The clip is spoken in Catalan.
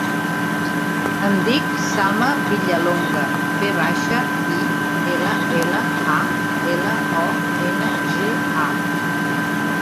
Em dic Salma Villalonga: ve baixa, i, ela, ela, a, ela, o, ena, ge, a.